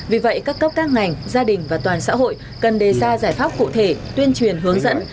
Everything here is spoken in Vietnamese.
vì vậy các cấp các ngành gia đình và toàn xã hội cần đề ra giải pháp cụ thể tuyên truyền hướng dẫn